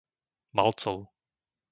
Malcov